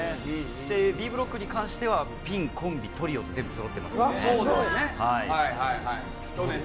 Ｂブロックに関しては、ピン、コンビ、トリオと全部そろっている。